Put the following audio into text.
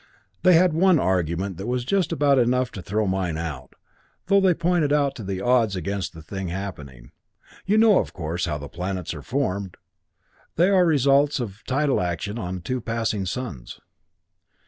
"They had one argument that was just about enough to throw mine out, though they pointed to the odds against the thing happening. You know, of course, how planets are formed? They are the results of tidal action on two passing suns.